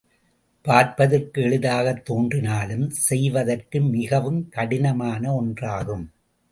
பார்ப்பதற்கு எளிதாகத் தோன்றினாலும், செய்வதற்கு மிகவும் கடினமான ஒன்றாகும்.